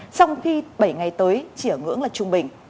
trong khi bảy ngày tới chỉ ở ngưỡng là trung bình